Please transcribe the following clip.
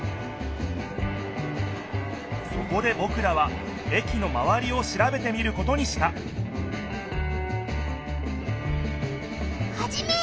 そこでぼくらは駅のまわりをしらべてみることにしたハジメ！